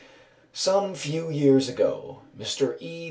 Some few years ago, Mr. E.